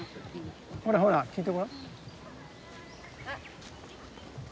ほらほら聞いてごらん。